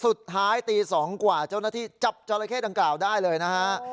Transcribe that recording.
สุดท้ายตี๒กว่าเจ้าหน้าที่จับจอราเข้ดังกล่าวได้เลยนะฮะ